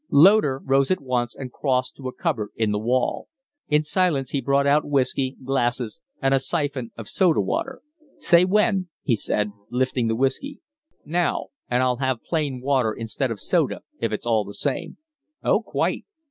Loder rose at once and crossed to a cupboard in the wall. In silence he brought out whiskey, glasses, and a siphon of soda water. "Say when!" he said, lifting the whiskey. "Now. And I'll have plain water instead of soda, if it's all the same." "Oh, quite."